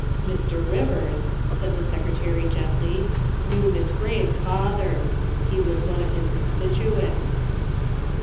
" Mr. Rivers," said the Secretary gently, " knew Miss Gray's father. He was one of his constituents."